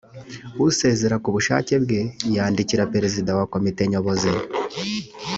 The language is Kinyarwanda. usezera ku bushake bwe yandikira prezida wa komite nyobozi